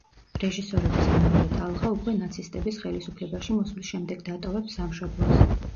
რეჟისორების მეორე ტალღა უკვე ნაცისტების ხელისუფლებაში მოსვლის შემდეგ დატოვებს სამშობლოს.